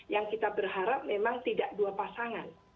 yang kita berharap memang tidak dua pasangan